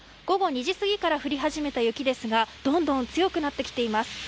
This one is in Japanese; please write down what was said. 午後２時過ぎから降り始めた雪ですがどんどん強くなってきています。